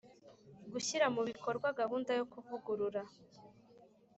gushyira mu bikorwa gahunda yo kuvugurura